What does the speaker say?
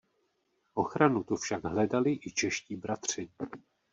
Ochranu tu však hledali i čeští bratři.